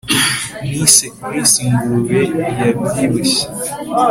Nise Chris ingurube yabyibushye